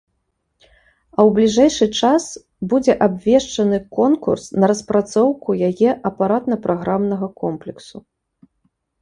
А ў бліжэйшы час будзе абвешчаны конкурс на распрацоўку яе апаратна-праграмнага комплексу.